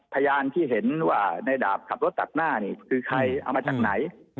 พยานที่เห็นว่าในดาบขับรถตัดหน้านี่คือใครเอามาจากไหน